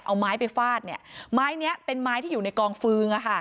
เอาไม้ไปฟาดเนี่ยไม้นี้เป็นไม้ที่อยู่ในกองฟืง